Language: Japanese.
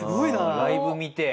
ライブ見て。